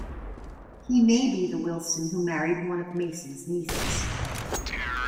He may be the Wilson who married one of Mason's nieces.